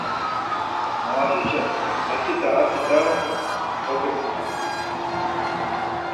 Maaşişen atzut̆a atzut̆a dobuǩinam.